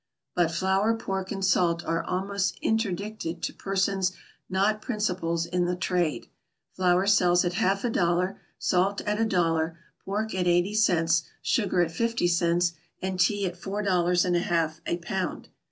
But flour, pork, and salt are almost interdicted to persons not principals in the trade. Flour sells at half a dollar, salt at a dollar, pork at eighty cents, sugar at fifty cents, and tea at four dollars and a half a pound.